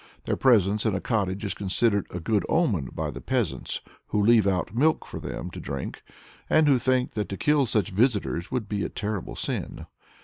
Their presence in a cottage is considered a good omen by the peasants, who leave out milk for them to drink, and who think that to kill such visitors would be a terrible sin.